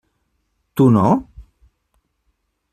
Tu no?